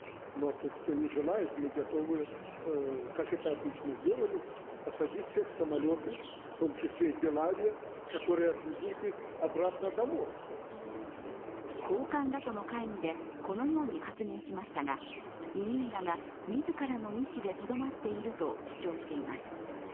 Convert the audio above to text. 一方、ベラルーシのルカシェンコ大統領は高官らとの会議でこのように発言しましたが移民らが自らの意思でとどまっていると主張しています。